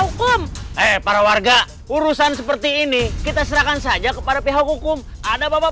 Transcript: hukum eh para warga urusan seperti ini kita serahkan saja kepada pihak hukum ada bapak